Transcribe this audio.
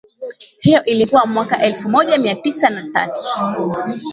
Hiyo ilikuwa mwaka elfu moja mia tisa na tatu